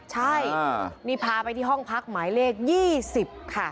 ใช่นี่พาไปที่ห้องพักหมายเลข๒๐ค่ะ